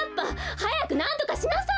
はやくなんとかしなさい！